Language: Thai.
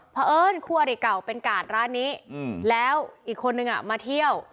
เพราะเอิญคู่อริเก่าเป็นกาดร้านนี้แล้วอีกคนนึงมาเที่ยว